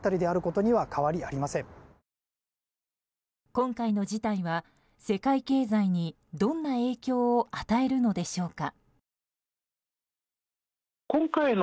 今回の事態は、世界経済にどんな影響を与えるのでしょうか。